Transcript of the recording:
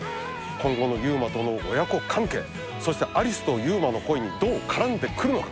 今後の祐馬との親子関係そして有栖と祐馬の恋にどう絡んでくるのか？